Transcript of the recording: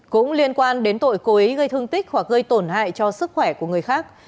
cũng liên quan đến tội cố ý gây thương tích hoặc gây tổn hại cho sức khỏe của người khác